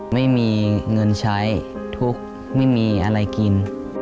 ไม่มีเงินใช้ทุกข์ไม่มีอะไรกิน